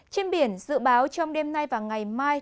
trên biển dự báo trong đêm nay và ngày mai